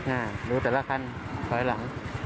ดูแต่ละคันถอยหลัง